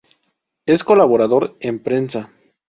Es colaborador en prensa.